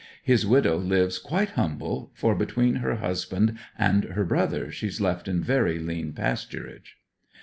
His widow lives quite humble, for between her husband and her brother she's left in very lean pasturage.'